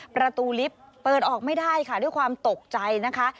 ประตูลิฟต์เปิดออกไม่ได้ค่ะด้วยความตกใจนะคะ